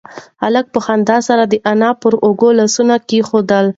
هلک په خندا سره د انا پر اوږو لاسونه کېښودل.